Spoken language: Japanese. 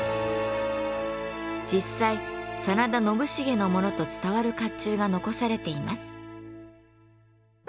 実際真田信繁のものと伝わる甲冑が残されています。